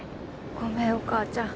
ごめんお母ちゃん。